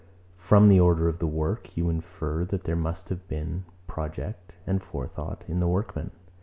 From the order of the work, you infer, that there must have been project and forethought in the workman.